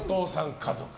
家族。